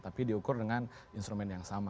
tapi diukur dengan instrumen yang sama